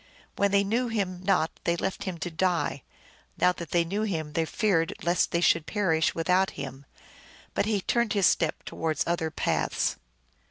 When they knew him not they left him to die ; now that they knew him they feared lest they should perish without him. But he turned his steps towards other paths.